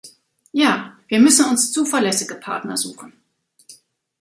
Ja, wir müssen uns zuverlässige Partner suchen.